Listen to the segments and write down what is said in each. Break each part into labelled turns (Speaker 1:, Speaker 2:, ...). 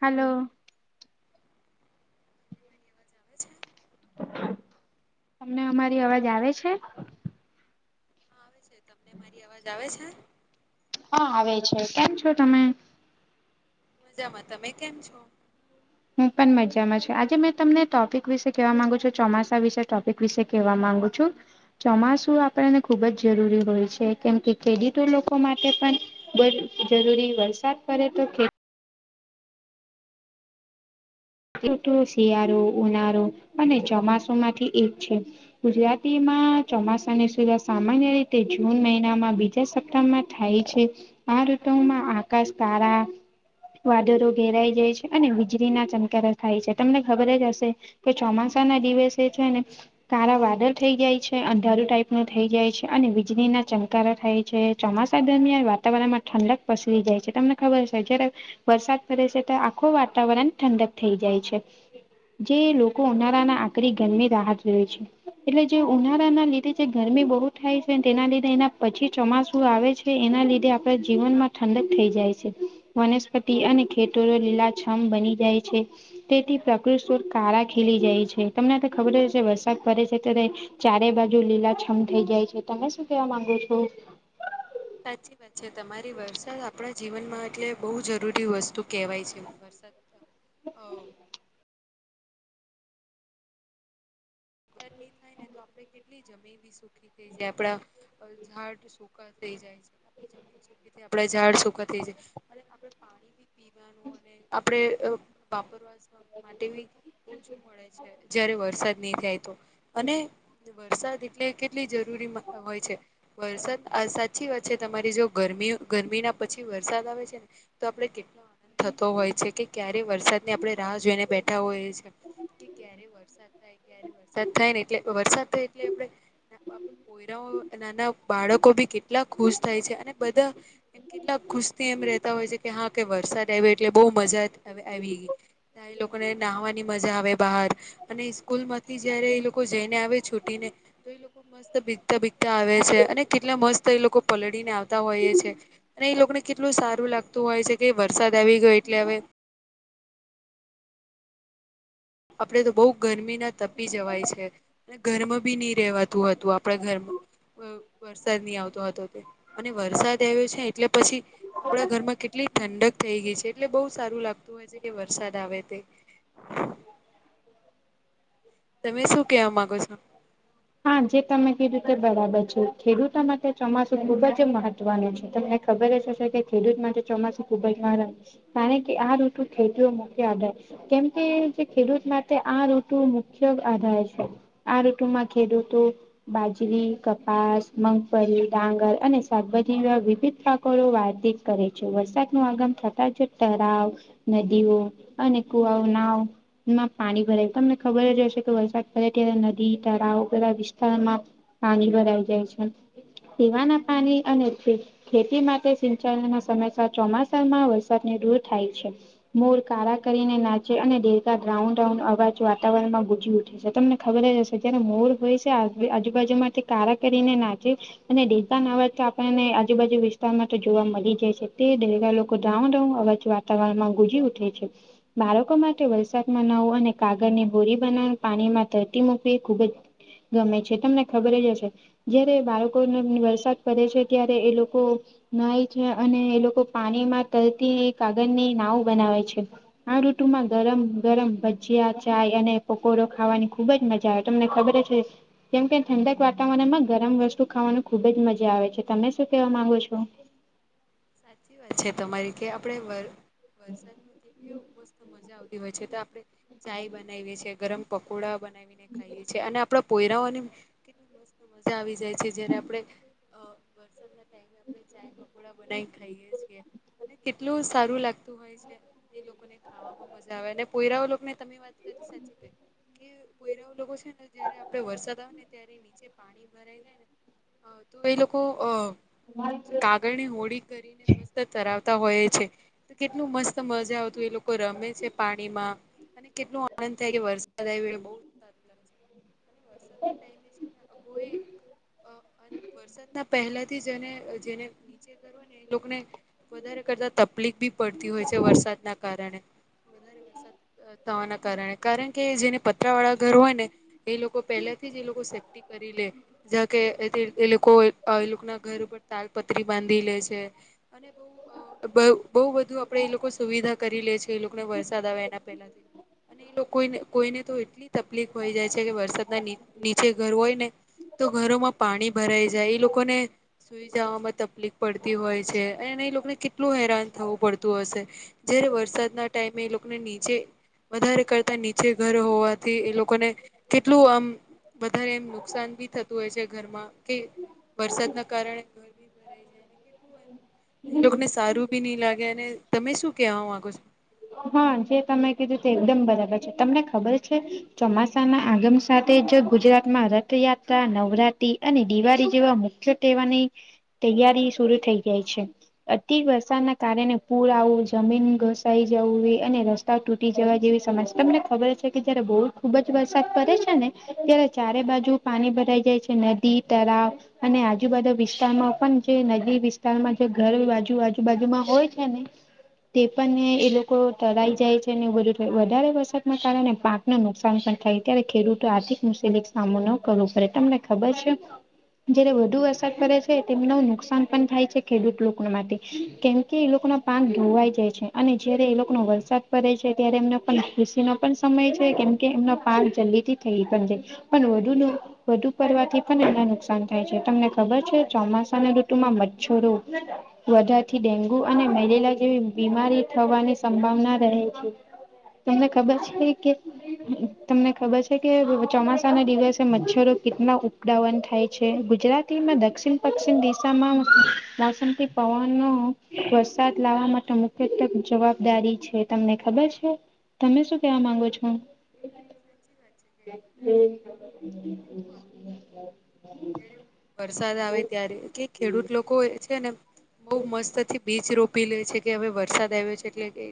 Speaker 1: હાલો.
Speaker 2: [unintelligible]
Speaker 1: તમને અમારી અવાજ આવે છે?
Speaker 2: હા આવે છે. તમને મારી અવાજ આવે છે?
Speaker 1: હા આવે છે. કેમ છો તમે?
Speaker 2: મજામાં. તમે કેમ છો?
Speaker 1: હું પણ મજામાં છું. આજે મેં તમને ટોપિક વિશે કહેવા માંગુ છું. ચોમાસા વિશે ટોપ પિક વિશે કહેવા માંગુ છું. ચોમાસું આપણને ખુબ જ જરૂરી હોય છે, કેમ કે ખેડિતો લોકો માટે પણ [unintelligible] ખૂબ જ જરૂરી વરસાદ પડે તો ખેત ૠતું શિયાળો, ઉનાળો અને ચોમાસુ માંથી એક છે. ગુજરાતીમાં ચોમાસાની શુરુઆત સામાન્ય રીતે જૂન મહિનામાં બીજા સપ્તાહમાં થાય છે. આ ઋતુમાં આકાશ કાળા વાદરો ઘેરાઈ જાય છે. અને વીજળી ના ચમ કારા થાય છે. તમને ખબર જ હશે કે ચોમાસા ના દિવસે છે ને કાળા વાદળ થઇ જાય છે, અંધારુ ટાઈપ નું થઇ જાય છે, અને વીજળી ના ચમકારા થાય છે. ચોમાસા દરમિયાન વાતાવરણમાં ઠંડક પસરી જાય છે. તમને ખબર જ છે જ્યારે વરસાદ પડે છે ત્યારે આખો વાતાવરણ ઠંડક થઈ જાય છે. જે લોકો ઉનાળાના આકરી [unintelligible] રાહ જોવે છે. એટલે જે ઉનાળાના લીધે જે ગરમી બહુ થાય છે, તેના લીધે એના પછી ચોમાસું આવે છ છે એના લીધે આપણે જીવન માં ઠંડક થઈ જાય છે. વનસ્પતિ અને ખેતરો લીલાછમ બની જાય છે. તેથી પ્રકૃત સુર કાળા ખીલી જાય છે. તમને તો ખબર જ હશે વરસાદ પડે છે ત્યારે ચારે બાજુ લીલાછમ થઇ જાય છે. તમે શું કહેવા માંગો છો?
Speaker 2: સાચી વાત છે તમારી. વરસાદ આપણા જીવનમાં એટલે બહુ જરૂરી વસ્તુ કહેવાય છે. વરસાદ અ
Speaker 1: [inaudible]
Speaker 2: [unintelligible] ની થાય ને તો આપડે કેટલી જ જમી બી સૂખી થઈ જાય, આપણા ઝાડ જો સુખાં થઈ જાય છે. [inaudible] આપણે ઝાડ સૂખાં થઈ જાય, અને આપણે પાણી બી પીવાનું અને આપણે વાપરવાનું [inaudible] માટે બી ઓછું મળે છે, જયારે વરસાદ નહીં થાય તો. અને જે વરસાદ એટલે કેટલી જરૂરીમાં હોય છે. વરસાદ આ સાચી વાત છે તમારી જો ગરમી-ગરમી ના પછી વરસાદ આવે છે ને તો આપણે કેટલા થતો હોય છે. કે ક્યારે વરસાદ ની આપણે રાહ જોઈને બેઠા હોઈએ છીએ. કે ક્યા ક્યારે વરસાદ થાય ક્યાંરે વર સાદ થાય ને એટલે વરસાદ થાય એટલે આપણે [unintelligible] આપણે પોયરાઓ નાના બાળકો બી કેટલા ખુશ થાય છે. અને બધા કેટલાક ખુશથી એમ રહેતા હોય છે, કે હા કે વરસાદ આવ્યો એટલે બહુ મજા હવે આવી ગઈ. [unintelligible] એ લોકોને નાહવાની મજા આવે બહાર, અને ઈસ્કૂલ માં થી જયારે એ લોકો જઈને આવે છૂટી ને તો ઈ લોકો મસ્ત ભીગતા-ભીગતા આવે છે. અને કેટલા મસ્ત એ લોકો પલળી ને આવતા હોઈએ છે. અને ઈ લોકને કેટલું સારું લાગતું હોય છે કે વરસાદ આવી ગયો એટલે હવે આપડે તો બઉ ગરમી ના તપી જવાય છે. અને ઘરમાં બી નહીં રહેવાતું હતું આપણા ઘરમાં, વ વરસાદ નહીં આવતો હતો તે. અને વરસાદ આવ્યો છે એટલે પછી આપણા ઘરમાં કેટલી ઠંડક થઈ ગઈ છે. એટલે બહુ સારું લાગતું હોય કહે છે કે વરસાદ આવે તે તમે શું કેહવા માંગો છો?
Speaker 1: હા જે તમે કીધું તે બરાબર છે ખેડૂતો માટે ચોમાસું ખુબ જ મહત્વનું છે ત ખબર જ હશે કે ખેડૂત માટે ચોમાસું ખુબ જ નારામ. કારણ કે આ ઋતુ ખેતીઓ મૂકી આધાર કેમ કે તે ખેડૂત માટે આ ઋતુ મુખ્ય આધાર છે આ ઋતુમાં ખેડુંતો બાજરી, કપાસ, મગફળી, ડાંગર અને શાકભાજી ના વિવિધ પાકો વાતીત કરે છે વરસાદ નું આગમ થતાં જ તરાવ નદીઓ અને કુવાઓ, નાવ માં પાણી ભરાય. તમને ખબર જ હશે કે વરસાદ પડે ત્યારે નદી તળાવ બધા વિસ્તારોમાં પાણી ભરાઈ જાય છે. પીવાના પાણી અને ખેતી માટે સિંચાઈન ના સમયસર ચોમાસામાં વરસાદની દૂર થાય છે. મોર કાળા કરીને નાચે અને દેડકા ડ્રાઉ ડ્રાઊ અવાજ વાતાવરણમાં ગુજી ઉઠે છે તમને ખબર જ હશે કે જયારે મોર હોય છે આજુબાજુ માંથી કાળા કરીને નાચે અને દેડકા નો અવાજ તો આપણને આજુબાજુ વિસ્તારમાં તો જોવા મળી જાય છે તે દેડકા લોકો ડ્રાઉ ડ્રાઉ અવાજ વાતાવરણ માં ગુજી ઉઠે છે. બાળકો માટે વરસાદમાં નાહવું અને કાગળ ની હોડી બનાવી પાણીમાં તરતી મુક્ મૂકવી ખુબ જ ગમે છે તમને ખબર જ હશે? જયારે બાળકોને વરસાદ પડે છે ત્યારે એ લોકો નાય છે અને એ લોકો પાણીમાં તરતી એ કાગળ ની નાવ બનાવે છે. આ ઋતુમાં ગરમ ગરમ ભજીયા ચાય અને પકોડો ખાવાની ખુબજ મજા જ તમને ખબર જ હસ કેમ કે ઠંડક વાતાવરણમાં ગરમ વસ્તુ ખાવાનું ખુબ જ મજા આવે છે તમે શું કેહવા માંગો છો?
Speaker 2: સાચી વાત છે તમારી કે આપણે વરસાદમાં કેટલી મસ્ત મજા આવતી આવતી હોય છે તો આપડે ચાય બનાવીએ છીએ, ગરમ પકોડા બનાવી ને ખાયે છીએ અને આપણા પોયરાઓ ને કેટલી મસ્ત મજા આવી જાય છે જ્યારે આપણે અ વરસાદના ટાઈમે આપણે ચાય, પકોડા બનાવી ખાઈએ છીએ અને કેટલું સારું લાગતું હોય છે એ લોકોને, ખાવામાં મજા આવે અને પોયરાઓ લોક ને તમે વાત કરી સાચી કય કે પોયરા ઓ લોકો છે ને જયારે આપડે વરસાદ આવે ને ત્યારે નીચે પાણી ભ ભરાઈ જાય ને તો એ લોકો અ કાગળની હોળી કરીને મસ્ત તરાવતા હોયે છે. તો કેટલું મસ્ત મજા આવતું એ લોકો રમે છે પાણીમાં અને કેટલું આનંદ થાય કે વરસાદ આવીયો એટલે બો વરસાદના ટાઈમે છે કોઈ અ વરસાદના પહેલે થી જેને જેને નીચે ઘર હોય ને એ લોકને વધારે કરતા તબલીફ બી પડતી હોય છે વરસાદના કારણે વધારે વરસાદ થવાના કારણે કારણ કે જેને પતરા વાળા ઘર હોય ને, એ લોકો પહેલે થી જ એ લોકો સેફ્ટી, કરી લે જેવા કે એ લોકો એ લોકોના ઘર ઉપર તાલપત્રી બાંધ બાંધી લે છે અને બો અ બો બધું આપડે એ લોકો સુવિધા કરી લે છે એ લોકોને વરસાદ આવે એના પહેલાથી અને એ લોકોને કોઈને તો એટલી તકલીફ હોય જાય છે કે વરસાદના નીચે ઘર હોય ને તો ઘરોમાં પાણી ભરાઈ જાય એ લોકોને, સુઈ જવામાં તકલીફ પડતી હોય છે અને એને એ લોકોને કેટલું હેરાન થવું પડતું હશે. જયારે વરસાદના ટાઈમે એ લોકોને નીચે વધારે કરતા નીચે ઘર હોવા થી એ લોકોને કેટલું આમ વધારે એમ નુકસાન બી થતું હોય છે ઘરમાં, કે વરસાદના કારણેર એ લોકોને સારું ભી નહિ લાગે અને તમે શું કેવા માંગો છો?
Speaker 1: હા જે તમે કીધું તે એકદમ બરાબર છે તમને ખબર છે, ચોમાસાના આગમ સાથે જ ગુજરાતમાં રથયાત્રા નવરાત્રી અને દિવાળી જેવા મુખ્ય તહેવારની તૈયારી શુરુ થઇ જાય છે. અતિ વરસાદના કારણે પૂર આવું જમીન ઘસાઈ જવું અને રસ્તા તૂટી જવા જેવીજ તમને ખબર છે કે જયારે બહુ ખુબ જ વરસાદ પડે છે ને. જ્યારે ચારે બાજુ પાણી ભરાઈ જાય છે નદી, તળાવ. અને આજુબાજુ વિસ્તારમાં પણ જે નદી વિસ્તારમાં જે ઘર બાજુ આજુબાજુમાં હોય છે ને. તે પણ એ લોકો- તરાઈ જાય છે અનેને બધું થ વધારે વરસાદના કારણે પાકને નુકસાન પણ થાય ત્યારે ખેડૂતો આર્થિક મુલ સામનો ન કરવું પડે તમને ખબર છે. જયારે વધુ અસર પડે છે તેમના નુકસાન પણ થાય છે ખેડૂત લોકો માટે કેમ કે, એ લોકોના પાક ધોવાઈ જાય છે અને જારે એ લોકોનો વરસાદ પડે છે ત્યારે એમને પણ ખુશીનો પણ સમય છે કેમ કે એમના પાક જલ્દી થી થઈ પણ છે, ઈ પણ વધુ ન વધુ કરવાથી પણ એને નુકસાન થાય છે તમને ખબર છે ચોમાસાના ઋતુમાં મચ્છરો. વધારથી ડેન્ગુ અને મેલેરિયા જેવી બીમારી થવાની સંભાવના રહે છે. તમને ખબર છે કે તમને ખબર છે કે ચોમાસા ના દિવસે મચ્છરો કેટલા ઉપડાવન થાય છે ગુજરાતીમાં દક્ષિણ પશ્ચિમ દિશામાં વાસનપ પવનો વરસાદ લાવવા માટે મુ તો જવાબદારી છે તમને ખબર છે? તમે શું કેવા માંગો છો.
Speaker 2: સાચી વાત છે કે ખેડૂત લોકોને
Speaker 1: હમ
Speaker 2: કેટલું આનંદ જયારે
Speaker 1: [unintelligible]
Speaker 2: વરસાદ આવે ત્યારે કે ખેડૂત લોકો છે ને બઉુ મસ્તથી બીચ રોપી લે છે કે હવે વરસાદ આવ્યો છે એટલે કે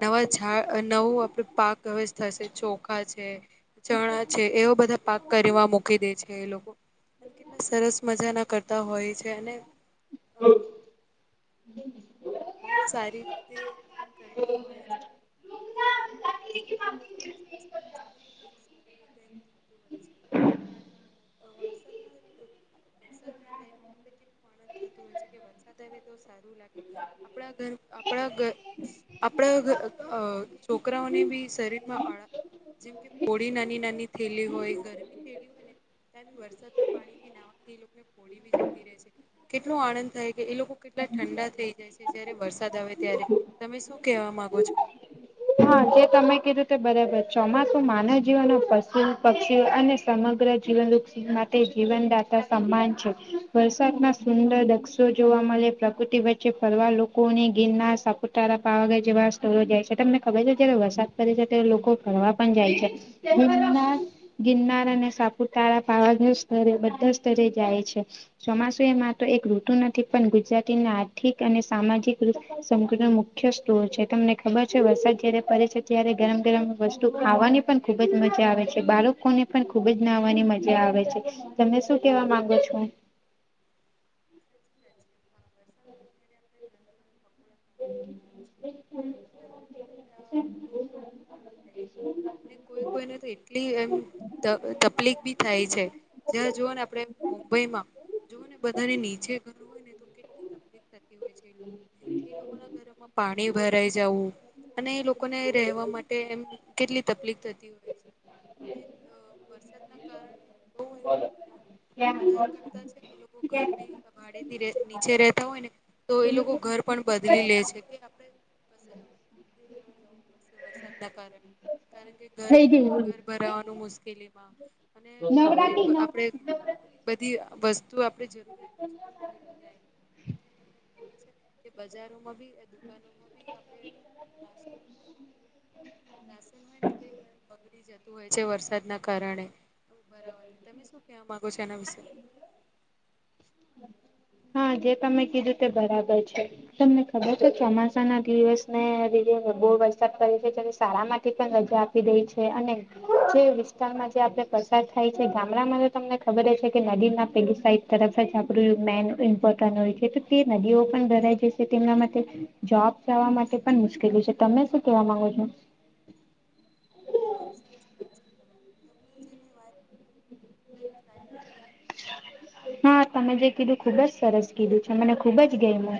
Speaker 2: નવા ઝાડ નવું આપડ પાક હવે થશે ચોખા છે. ચણા છે એવો બધા પાક કરવા મૂકી દે છે. કે, એ લોકો કેટલા સરસ મજા ના કરતા હોય છે અને
Speaker 1: હમ. હ.
Speaker 2: બહુ સારી રીતે એનું કરતો હોય. [inaudible] [unintelligible] ટાઈમ આપણે કેટલું આનંદ થતું હોય છે કે વરસાદ આવે તો સારું લાગે. આપણા ઘર આપણા ઘ આપણા છોકરાઓને બી શરીરમાં જેમ કે હોળી નાની નાની થયેલી હોય ગરમી થયેલી હોય ને, વરસાદના પાણી નાથી એ લોકોને ફોડી બી જતી રહે છે. કેટલો આનંદ થાય કે એ લોકો કેટલા ઠંડા થઈ જાય છે જારે વરસાદ આવે ત્યારે. તમે શું કેવા માંગો છો?
Speaker 1: હા જે તમે કીધું તે બરાબર ચોમાસું માનવ જીવન નો પશુ પક્ષી અને સમગ્ર જીવન વૃક્ષ માટે જીવનદાતા સમાન છે વરસાદમાં સુંદર દક્ષો જોવા મલે, પ્રકૃતિ વચ્ચે ફરવા લોકોની ગિરના સાપ પુટારા, પાવાગર જેવા સ્થળો જાય છે, તમને ખબર છે જયારે વરસાદ પડે છે ત્યારે લોકો ફરવા પણ જાય છે. ગિરનાર ગિરનાર અને સાપુતારા પાવાધ સ્તરે બધા સ્તરે જાય છે. ચોમાસુ એ મા તો એક ઋતુ નથી, પણ ગુજરાતીને આર્થિક અને સામાજિક સંગ ને મુ મુખ્ય સ્ત્રોત છે, તમને ખબર છે વરસાદ જયારે પરે છે, ત્યારે ગરમ ગરમ વસ્તુ ખાવાની પણ ખુબ જ મજા આવે છે, બાળકોને પણ ખુબ જ નાહવાની મજા આવે છે, તમને શું કેવા માંગો છો?
Speaker 2: [inaudible]
Speaker 1: [inaudible]
Speaker 2: થાય છે. અને કોઈ કોઈને તો એટલી એમ ત તપલીફ બી થાય છે, જ્યાં જોવા ને આપણે મુંબઈમાં જોને બધા નીચે ઘર હોય ને તો કેટલી તકલીફ થતી હોય. છે એ લોકો લોકો ના ઘરોમાં પાણી ભરાઈ જવું અને એ લોકોને રહેવા માટે એમ. કેટલી તપલીફ થતી હોય છે, અને વરસાદના કારણે બહુ વધાર કરતા છે ને એ લોકો ઘર બી ભાડેથી રે, નીચે રેતા હોય ને, તો એ લોકો ઘર પણ બદલી લે છે, કે આપડે જવું પડશે વરસાદના કારણે- કારણ કે ઘર
Speaker 1: થઈ
Speaker 2: અ
Speaker 1: ગયું
Speaker 2: ઘર ભરાવાનું મુશ્કેલીમાં અને હરેક
Speaker 1: નવરાત્રી
Speaker 2: આપણેે
Speaker 1: નવરાત્રી
Speaker 2: બધી વસ્તુ આપણે જરૂરિયાત વસ્તુ તમને ખબર છે. કે બજારોમાં બી દુકાનોમાં બી આપડે [unintelligible] [inaudible] રી જતું હોય છે, વરસાદના કારણે, ઉભરાવાથી તમે શું કેવા માંગો છો એના વિશે.?
Speaker 1: હા જે તમે કીધું તે બરાબર છે. તમને ખબર છે, ચોમાસા ના દિવસ ને વીડિયો બહુ વરસાદ પડે છે, ત્યારે શાળા માંથી પણ રજા આપ પી ડે છે, અને જે વિસ્તારમાં જે આપડે પસ થાય છે ગામડામાં તો તમને ખબર જ છે કે નદી ના પેલી સાઈડ તરફ જ આપણું મેન ઇમ્પોર્ ટન હોય છે, તો તે નદીઓ પણ ભરાઈ જશે તેમના માટે જોબ જવા માટે પણ મુશ્કેલી છે. તમે શું કેવા માંગો છો?
Speaker 2: હા સાચી વાત છે [unintelligible]
Speaker 1: હા તમે જે કીધું ખુબ જ સરસ કીધું છે, મને ખુબ જ ગઈમુ